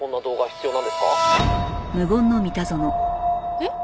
えっ？